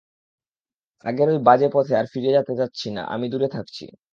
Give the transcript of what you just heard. আগের ওই বাজে পথে আর ফিরে যাচ্ছি না, আমি দূরে থাকছি।